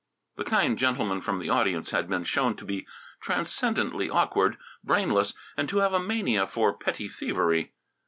The kind gentleman from the audience had been shown to be transcendently awkward, brainless, and to have a mania for petty thievery.